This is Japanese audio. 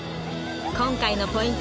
今回のポイント